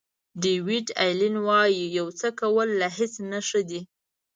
ډیویډ الین وایي یو څه کول له هیڅ نه ښه دي.